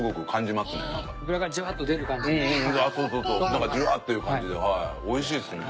なんかジュワッという感じではい美味しいですね。